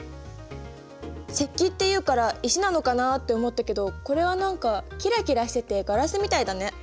石器っていうから石なのかなって思ったけどこれは何かキラキラしててガラスみたいだね。